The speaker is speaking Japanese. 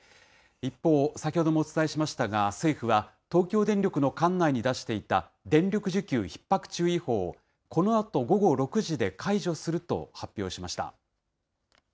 一方、先ほどもお伝えしましたが、政府は、東京電力の管内に出していた、電力需給ひっ迫注意報をこのあと午後６時で解除すると発表しました。